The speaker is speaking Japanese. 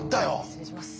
失礼します。